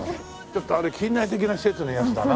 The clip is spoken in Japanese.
ちょっとあれ近代的な施設のやつだな。